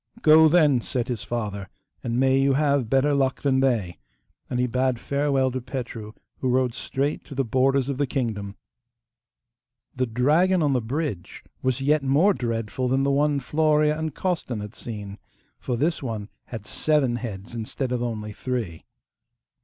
'Go, then,' said his father, 'and may you have better luck than they'; and he bade farewell to Petru, who rode straight to the borders of the kingdom. The dragon on the bridge was yet more dreadful than the one Florea and Costan had seen, for this one had seven heads instead of only three.